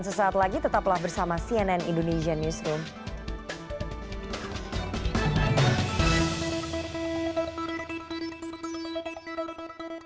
sesaat lagi tetaplah bersama cnn indonesian newsroom